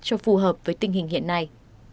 cho phù hợp với tình hình hiện nay